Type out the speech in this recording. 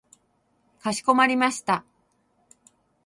かしこまりました。